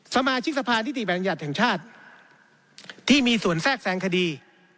สมาชิกสะพานฤทธิบัญญัติของชาติที่มีส่วนแทรกแสงคดี